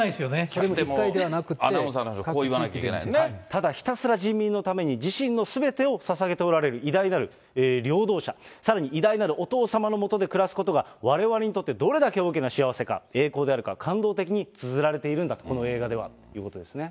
それ見ても、アナウンサーの人、ただひたすら人民のために、自身のすべてをささげておられる偉大なる領導者、さらに偉大なるお父様のもとで暮らすことがわれわれにとってどれだけ大きな幸せか、栄光であるか、感動的につづられているんだ、この映画ではということですね。